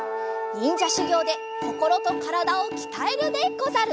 にんじゃしゅぎょうでこころとからだをきたえるでござる！